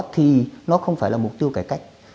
thì nó không phải là mục tiêu cải cách